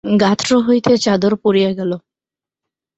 গাত্র হইতে চাদর পড়িয়া গেল।